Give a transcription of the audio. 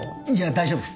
大丈夫です